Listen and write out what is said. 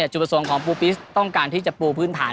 จุดประสงค์ของปูปิสต้องการที่จะปูพื้นฐาน